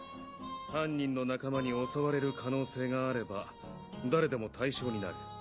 犯人の仲間に襲われる可能性があれば誰でも対象になる。